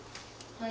はい。